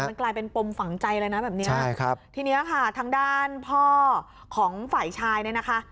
มันกลายเป็นปมฝังใจเลยนะแบบเนี้ยใช่ครับทีนี้ค่ะทางด้านพ่อของฝ่ายชายเนี่ยนะคะ